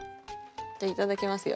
じゃあいただきますよ。